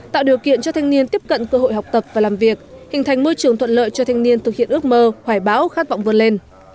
tạo điều kiện cho thanh niên tiếp cận cơ hội học tập và làm việc hình thành môi trường thuận lợi cho thanh niên thực hiện ước mơ hoài bão khát vọng vươn lên